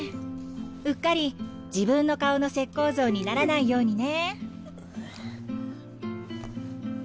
うっかり自分の顔の石膏像にならないようにね。